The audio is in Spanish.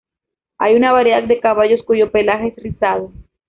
Hay una variedad de caballos cuyo pelaje es rizado.